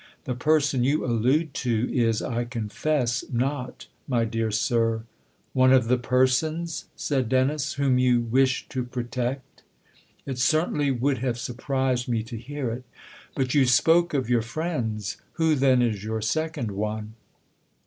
" The person you allude to is, I confess, not, my dear sir "One of the persons," said Dennis, "whom you wish to protect ? It certainly would have surprised me to hear it ! But you spoke of your ' friends.' Who then is your second one